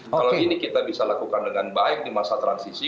kalau ini kita bisa lakukan dengan baik di masa transisi